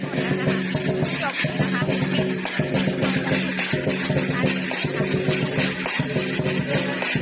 เดี๋ยวคนใหม่อย่างเห็นไหมคน